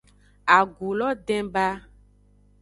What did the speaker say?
Agu lo den ba.